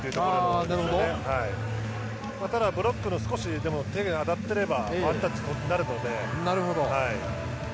ただ、少しでもブロックの手に当たっていればワンタッチになるので。